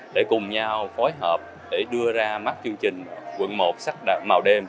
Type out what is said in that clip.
để cùng nhau phối hợp để đưa ra mắt chương trình quận một sắc màu đêm